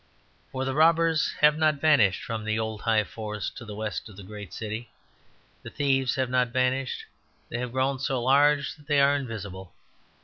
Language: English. For the robbers have not vanished from the old high forests to the west of the great city. The thieves have not vanished; they have grown so large that they are invisible.